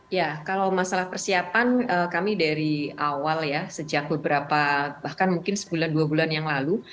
ya kalau masalah persiapan kami dari awal ya sejak beberapa bahkan mungkin sebulan dua bulan yang lalu